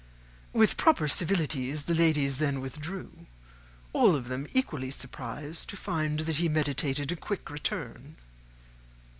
With proper civilities, the ladies then withdrew; all of them equally surprised to find that he meditated a quick return.